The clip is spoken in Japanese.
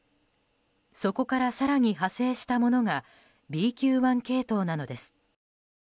そこから更に派生したものがＢＱ．１系統なのです。